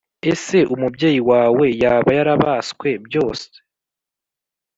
Ese umubyeyi wawe yaba yarabaswe byosd